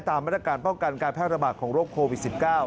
ตามรายการเป้าขันการแพทย์ระบาดของโรคโควิด๑๙